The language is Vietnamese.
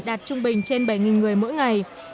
đạt trung bình trên bảy người mỗi ngày